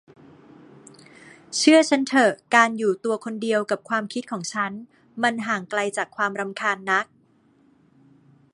เชื่อฉันเถอะ การอยู่ตัวคนเดียวกับความคิดของฉัน มันห่างไกลจากความรำคาญนัก